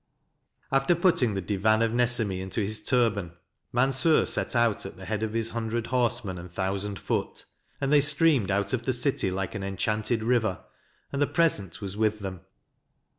After putting the Divan of Nesemi into his turban, Mansur set out at the head of his hundred horsemen and thousand foot; and they streamed out of the city like an enchanted river, and the present was with them.